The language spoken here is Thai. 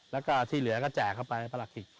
แล้วก็ที่เหลือก็แจกเข้าไปประหลักขิก